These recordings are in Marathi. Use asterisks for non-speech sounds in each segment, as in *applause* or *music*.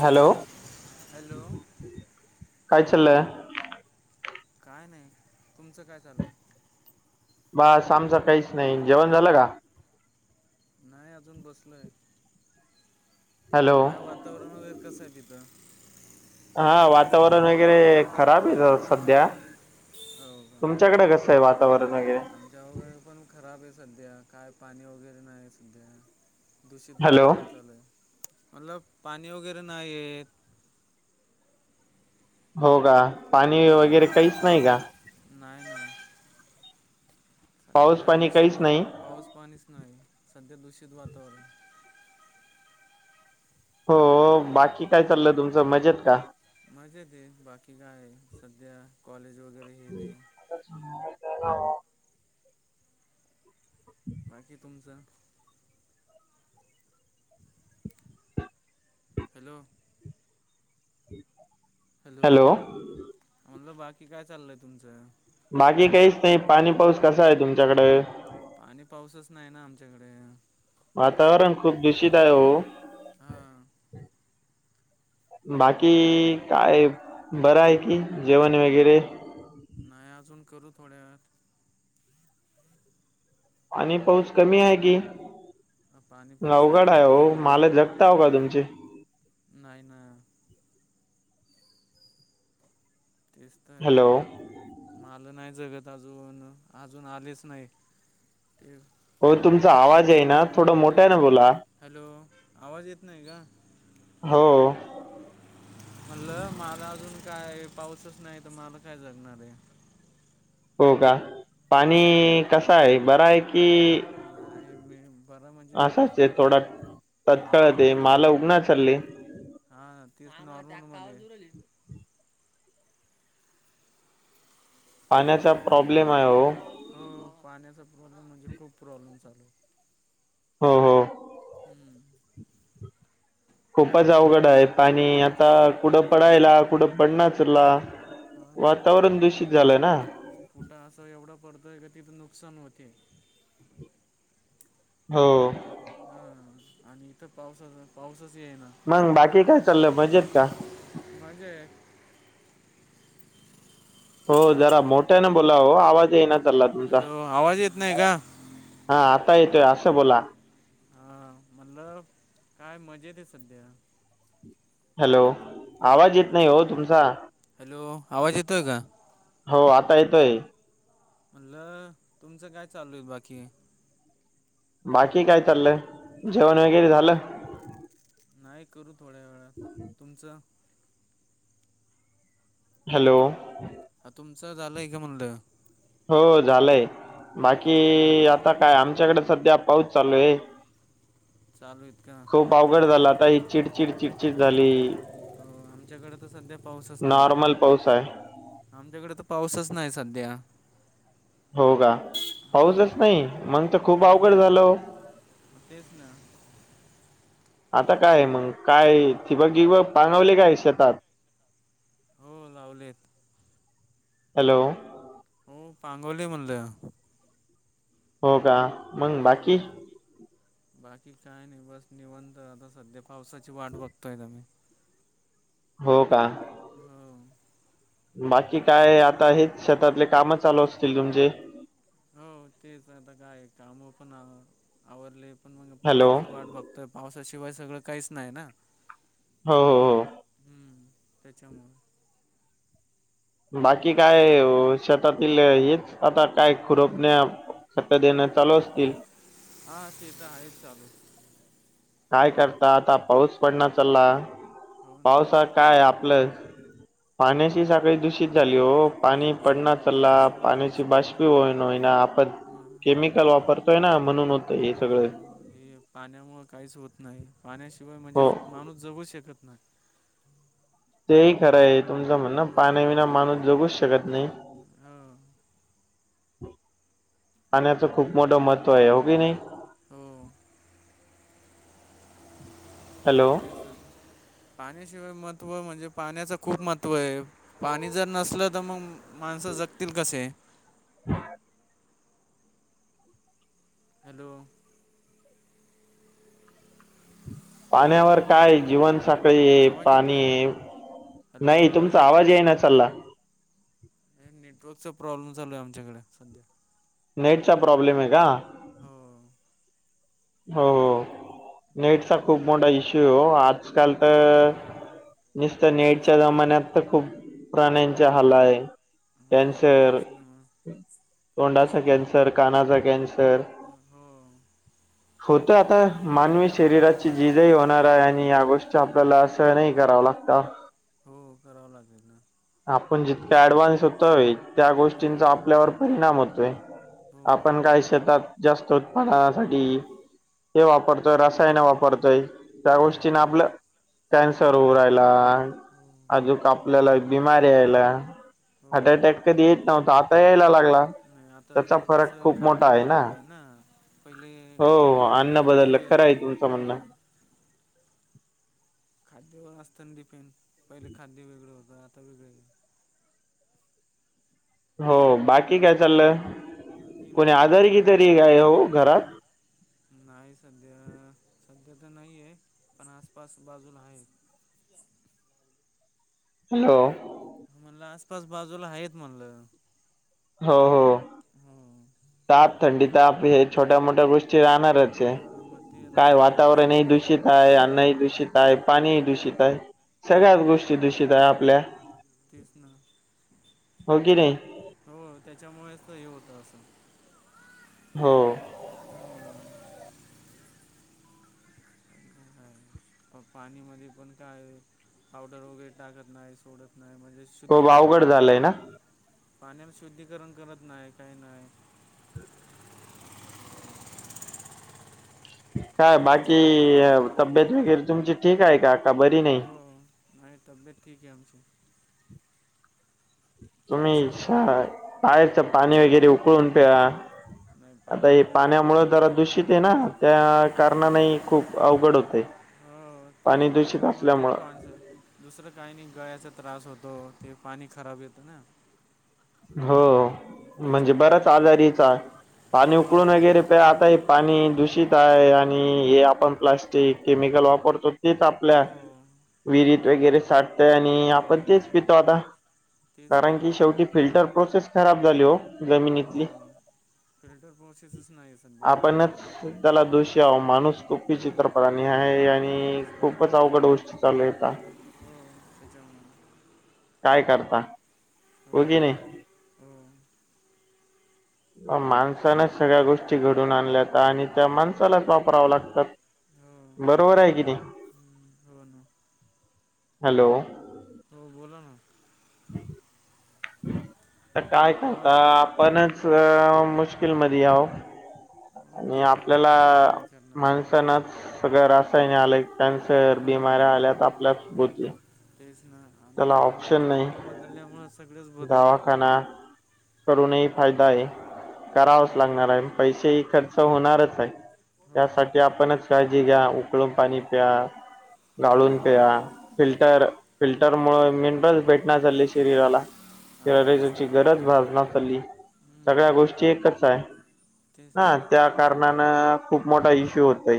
हॅलो हॅलो काय चाललंय? काय नाही. तुमचं काय चालण बस आमच काहीच नाही जेवण झालं का? नाही अजून बसलय हॅलो काय वातावरण वगैरे कसं आहे तिथं हा वातावरण वगैरे खराब आहे. सध्या हो का तुमच्याकडे कसं आहे वातावरण वगैरे आमच्या वगैरे पण खराब आहे. सध्या काय पाणी वगैरे नाही सध्या दूषित हॅलो वातावरण चालूय मणल पाणी वगैरे नाहीयेत. हो का पाणी वगैरे हां काहीच नाही. का नाही नाही सध्या पाऊस काय पाणी दूषित काहीच नाही पाऊस पाणीच नाही. सध्या दूषित वातावरण हो बाकी काय चाललं तुमचं मजेत का मजा येते बाकी काय आहे सध्या कॉलेज वगैरे हेेते. *unintelligible* बाकी तुमचं हॅलो हॅलो म्हणलं बाकी काय चाललय तुमचं? मागी काहीच नाही पाणी पाऊस कसा आहे? तुमच्याकड पाणी पाऊसच नाही ना आमच्याकडे वातावरण खूप दूषित आहे. हो हा बाकी काय बरं आहे. कि जेवण वगैरे नाही अजून करू थोड्या व पाणी पाऊस कमी आहे. की पाणी पाऊसच अवघड आहे कमी हो माल आहे पा जगताव का तुमचे नाही ना तेच हॅलो तर मलं नाही जगत अजून अजून आलेच नाही. हो तुमचा आवाज आहे ना थोडा मोठा आहे. ना बोला हॅलो आवाज इेत नाही आहे का? हो म्हणलं मला अजून काय पाऊसच नाही. तर मला काय जगणार आहे हो का हो पाणी कस आहे बर आहे. की नाही मी बरं म्हणजे असाच आहे थोडा तत्काळत नॉर्मल आहे मध्ये मला उगना चालले हा ती पाण्याचा प्रॉब्लेम आहे हो हो पाण्याचा प्रॉब्लेम म्हणजे खूप प्रॉब्लेम चालू हो हो हम्म बाकी खूपच अवघड तुमच्याकडं आहे आणि आता तुमच्याकडं कुठं पाणी वगैरे पडायला कुठं पड नाचला. हो ना वातावरण दूषित झालंय ना, कुठं असं एवढं पडतोय का तिथं नुकसान होते. हो हा आणि इथं पावसाचा पाऊसच येइना, मंग बाकी काय चाललंय मजेत का? म्हजे *unintelligible* हो जरा मोठ्याने बोलाव आवाज ये ना चालला तुमचा हॅलो आवाज येत नाही आहे का? हा आता येतोय असं बोला हा म्हणलं काय मजा येत सध्या हॅलो आवाज येत नाही. हो तुमचा हॅलो आवाज येतोय का? हो आता येतोय. म्हणलं तुमचं काय चालू आहे बाकी बाकी काय चाललंय जेवण वगैरे झालं? नाही करू थोड्या वेळात तुमचं हॅलो हा तुमचं झालंय का म्हणलं. हो झालंय हो बाकी का आता काय आमच्याकडे सध्या पाऊस चालू आहे. चालू इतक पावगड झाला आता ही चिडचिड चिडचिड झाली, हो आमच्याकडे तर सध्या पाऊसच नाही. नॉर्मल पाऊस आहे आमच्याकडे तर पाऊसच नाही सध्या हो का हो पाऊसच नाही मग तर खूप अवघड झालं. हो तेच ना आता काय मग काय थि बगी व पागवले काय शेतात हो लावलेत. हॅलो, त पांगोली म्हणल्या हो का मंग हो बाकी बाकी काय नाही बस निवंत आता सध्या पावसाची वाट बघतोय आम्ही हो का, हो. बाकी काय आता हेच शेतातले काम चालू असतील तुमचे हो तेच आता काय काम पण आवरले पण मग हॅलो पावसाची वाट बघ तर पावसाशिवाय सगळं काहीच नाही ना हो हो हम्म त्याच्यामुळे बाकी काय शेतातील हेच आता काय खुरपणे खत देणं चालू असतील. हा ते तर आहेच चालू. काय करता आता पाऊस पडणार चालला हो ना पावसात काय आपलं पाण्यासची सकाळी दूषित झाली हो पाणी पडणार अं, चालला त्याच्याशिवाय पाण्याची काहीच नाही ना बाष्पी होईनय ना आपण मग केमिकल पा- वापरतोय ना म्हणून, तर हे सगळें हो हे पाण्यामुळं काहीच होत नाही पाण्याशिवाय म्हणजे हो माणूस जगू शकत नाही. ते ह खरं आहे तुमचं म्हणण हो पाण्याविना माणूस जगूच शकत नाही. हो आणि तर खूप मोठं महत्त्व आहे हो की नाही हो हॅलो तेच पाण्याशिवाय महत्व म्हणजे पाण्याच खूप महत्त्व आहे पाणी जर नसल तर मग माणसं जगतील कसे ह हॅलो पाण्यावर काय जीवन सकाळी आवाज पाणी येतोय का हॅलो नाही तुमचा येतोय आवाज आहे ना चाल्ला नेटवर्कचा प्रॉब्लेम चालू आहे आमच्याकडे सध्या नेट चा प्रॉब्लेम आहे का हो हो हो नेटचा खूप मोठा इश्यू हो आज आजकाल हो तर नुसत तेच नेडच्या ना जमान्यात आता खूप प्राण्यांचा हलाय हो कॅन्सर तेच ना तोंडाचा कॅन्सर कानाचा कॅन्सर हो होत आता मानवी शरीराची जिजही होणार आहे आणि या गोष्टी आपल्याला असह नाही करावं लागत हो करावं लागेल ना आपण जितका ऍडव्हान्स होतो त्या हो गोष्टींचा आपल्यावर परिणाम होतोय हो आपण काय शेतात जास्त उत्पादनासाठी हे वापरतोय रसायन वापरतोय त्या हो गोष्टीने आपलं कॅन्सर होऊ राहिला हो अजूक आपल्याला बिमारी यायला हो हार्ट अटॅक कधी येत नव्हत आता यायला लागला नाही आता ते त्याचा फरक कसं खूप मोठा खाद्य आहे बदललंय ना पहिले हो अन्न खाद्यभ बदललं खरं आहे तुमचं आम म्हणणं खाद्यवर असत ना डिपेंड पहिले खाद्य वेगळं होतं आता वेगळें हो बाकी काय चाललंय बाकी कोणी नेम आधार काय की तरी काय हो घरात नाही सध्या सध्या तर नाही आहे पण आसपास बाजूला आहे हॅलो म्हणलं आसपास बाजूला आहेत म्हणलं हो हो हम्म ताप थंडी ताप हे छोट्या मोठ्या गोष्टी राहणार हां मग ते काय राहतातच वातावरणही दूषित आहे अन्नही हो दूषित आहे पाणी दूषित आहे हो सगळ्याच गोष्टी दूषित आहे आपल्या तेच ना हो की नाही हो त्याच्यामुळेच हे होतं असं हो हो पाणीमध्ये पण काय पावडर वगैरे टाकत नाही सोडत नाही म्हणजे खूप अवघड झालंय ना पाण्याच शुद्धीकरण करत नाही काही नाही काय बाकी त्याच्यामुळे तब्येत वगैरे तुमची ठीक आहे का का बरी नाही हो नाही तब्येत ठीक आहे आमची तुम्ही तुमची श पाहाच पाणी वगैरे उकळून प्या नाही आता पाणी हे वगैरे तर पाण्यामुळे उकळून जरा पितोय दूषित आहे ना आम्ही त्या कारणानेही खूप अवघड होतय हो तेच त्याच्यामुळे ते टॉनस आहे दुसरं काही नाही गळ्याचा त्रास होतो ते पाणी खराब येतं ना हो म्हणजे बराच त्याच्यामुळे आजारीचा आहे पाणी उकळून हो वगैरे. आता हे पाणी दूषित आहे आणि हे आपण प्लास्टिक केमिकल वापरतो. तेच आपल्या हो विरीत वगैरे साठ आणि आपण हो तेच पितो आता तेच ना कारण मग की शेवटी फिल्टर प्रोसेस खराब झाली हो. जमिनीतली हो फिल्टर प्रोसेसच नाही सध्या आपणच जमान्या त्याला दोषी आ माणूस खूपी चित्रपटा आणि आहे आणि तेच ना खूपच अवघड गोष्टी चालू आहेता. हो सच्या म्ह काय करता हो की नाही हम. माणसानच सगळ्या गोष्टी घडून आणल्यात आणि त्या माणसालाच वापराव लागतात. हो बरोबर आहे किती हम्म, हो ना हॅलो. हो बोला ना. आ काय आवाज करता आपणच मुश्किल मध्ये याह. अ ते तर आहे आता काय करणार आपण सगळ रासायन आले कॅन्सर बिमऱ्या हो आल्यात आपल्याच भोती तेच ना आणि त्याच्यामु खाद्य बदलल्यामुळे सगळंच बदललं. दवाखाना करूनही फायदा आहे करावाच हो लागणार आहे पैसेही ते खर्च होणारच आहे. हो त्यासाठी आपणच काळजी घ्या उकळून पाणी प्या. हो गाळून पेया फिल्टर फिल्टर मु मिनरस भेटणार चालली शरीराला हा तेच शची ना गरज भर. सगळ्या हम्म, गोष्टी एकच आहे ना त्या खूप मोठा इशू होतय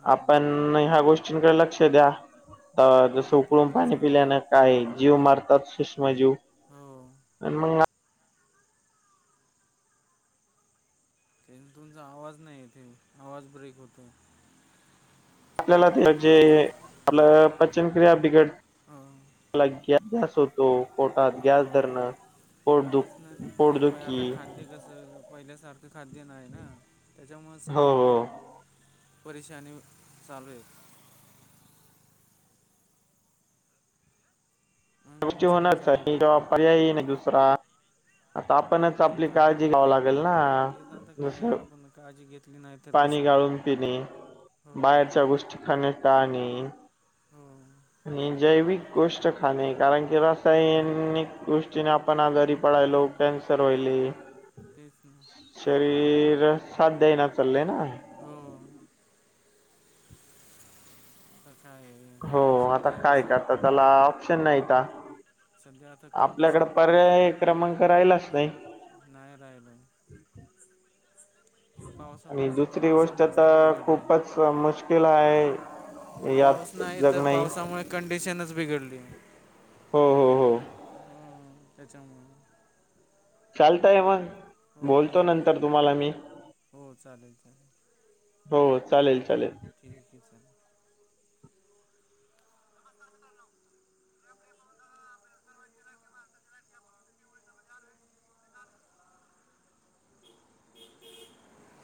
हो आपण ह गोष्ट कडे लक्ष द्या हो जसं ते उकळून तर पाणी चालू आहे पिल्यान काय जीव मारतात सुूष्माजीव हो. ह मंग ते तूंचा आवाज नाही येथे आवाज ब्रेक होतो आपल्याला ते जे आपलं पचनक्रिया बिघड. ह. लागत. तो कोटात ग्यास हो धरण उर्दू उर्दू की कस पहिल्यासारखं खाद्य नाही आहे ना त्याच्यामुळे हो सगळे. हो परेशानी चालू आहेत. मग तुमचं काय चालू आहे बाकी होणार हो पर्या ना दुसरा आता आपणच ते आपली तर काळजी आहे घ्याव आता लागेल ना तेच आता जस. काय आपण काळजी घेतली नाही तर पाणी कसं होईल गाळून पिणे हो बाहेरच्या गोष्टी खाणे टाणे हो आणि जैविक गोष्ट खाणे कारण की रस्. हो सैनिक गोष्टीने आपण आजारी पडयलो हो, कॅन्सर वईले तेच ना. शरीर साात दे ना चाल ना. हो. का काा आहे. हो आता सध्या काय असं करतात त्याला ऑप्शन नाही का? संध्याता आपल्याकडे पर्याय क्रमांक राहिलाच नाही. नाही नाही नाही नाही. ते आणि पावसामुळे तर दुसरी कंडिशन गोष्ट जास्त तर बिघडल्या. खूपच मुश्किल ते आहे पाऊस यात नाही जग तर पावसामुळे कंडिशनच बिघडली. हो हो हो त्याच्या चालतय मग हो बोलतो नंतर तुम्हाला मी हो चालेल चालेल.... हो चालेल चालेल. ठीक आहे सर नस् कर हा. ह ते.